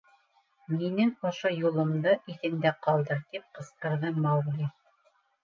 — Минең ошо юлымды иҫеңдә ҡалдыр, — тип ҡысҡырҙы Маугли.